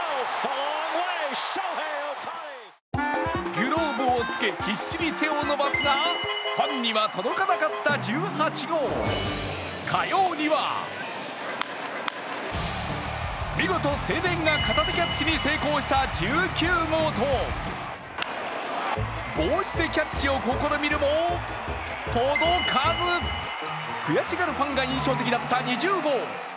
グローブをつけ、必死に手を伸ばすが、ファンには届かなかった１８号火曜には、見事青年が片手キャッチに成功した１９号と帽子でキャッチを試みるも届かず、悔しがるファンが印象的だった２０号。